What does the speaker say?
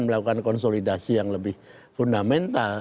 melakukan konsolidasi yang lebih fundamental